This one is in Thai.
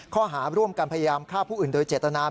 ข้อหาร่วมกันพยายามฆ่าผู้อื่นโดยเจตนา